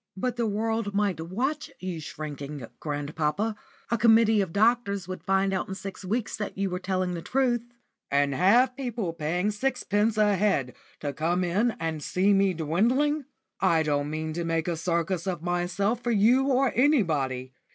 "But the world might watch you shrinking, grandpapa. A committee of doctors would find out in six weeks that you were telling the truth." "And have people paying sixpence a head to come in and see me dwindling? I don't mean to make a circus of myself for you or anybody.